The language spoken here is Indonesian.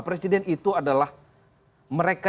presiden itu adalah mereka